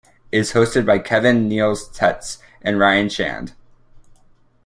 It is hosted by Kevin Neils Tetz and Ryan Shand.